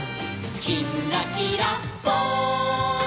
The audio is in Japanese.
「きんらきらぽん」